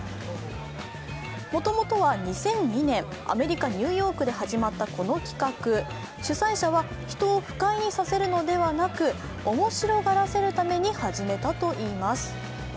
もともとは２００２年、、アメリカニューヨークで始まったこの企画主催者は、人を不快にさせるのではなく面白がらせるために始めたといいます。